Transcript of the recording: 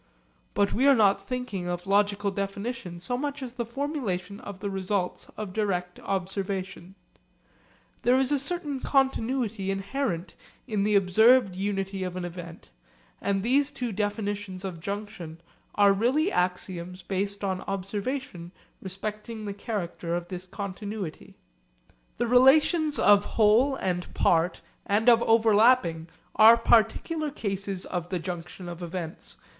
But we are not thinking of logical definition so much as the formulation of the results of direct observation. There is a certain continuity inherent in the observed unity of an event, and these two definitions of junction are really axioms based on observation respecting the character of this continuity. Cf. Enquiry. The relations of whole and part and of overlapping are particular cases of the junction of events.